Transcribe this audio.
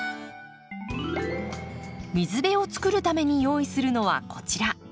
水辺を作るために用意するのはこちら。